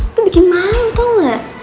itu bikin malu tau gak